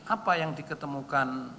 apa yang diketemukan